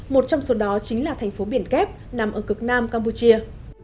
một trong số đó chính là thành phố biển kép nằm ở cực nam campuchia